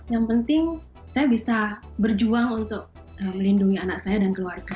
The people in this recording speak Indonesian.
yang penting saya bisa berjuang untuk melindungi anak saya dan keluarga